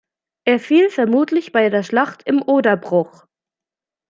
Er fiel vermutlich bei der Schlacht im Oderbruch.